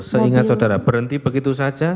seingat saudara berhenti begitu saja